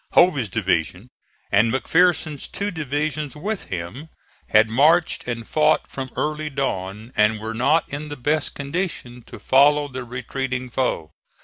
Hovey's division, and McPherson's two divisions with him, had marched and fought from early dawn, and were not in the best condition to follow the retreating foe.